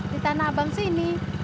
di tanah abang sini